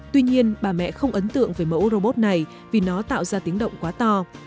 tuy nhiên bà mẹ không ấn tượng về mẫu robot này vì nó tạo ra tiếng động quá to